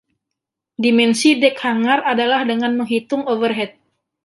Dimensi dek hangar adalah dengan menghitung overhead.